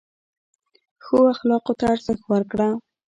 ښو اخلاقو ته ارزښت ورکړه.